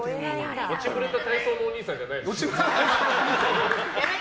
落ちぶれた体操のおにいさんじゃないですよね？